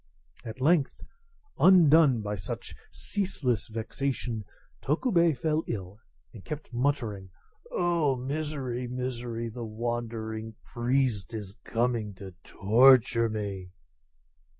At length, undone by such ceaseless vexation, Tokubei fell ill, and kept muttering, "Oh, misery! misery! the wandering priest is coming to torture me!"